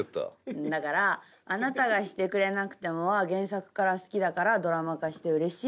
だから『あなたがしてくれなくても』は原作から好きだからドラマ化してうれしいって。